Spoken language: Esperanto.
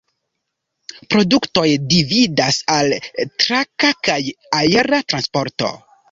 Produktoj dividas al traka kaj aera transporto.